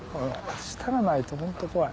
下がないとホント怖い。